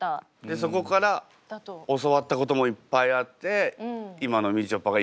そこから教わったこともいっぱいあって今のみちょぱがいるんだもんね。